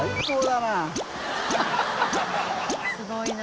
すごいな。